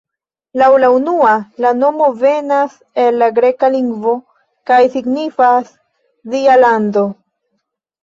Laŭ la unua la nomo venas el la greka lingvo kaj signifas "Dia lando".